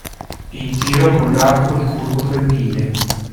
In tiro con l'arco ricurvo femminile.